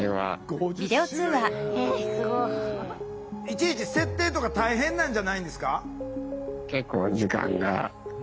いちいち設定とか大変なんじゃないんですか？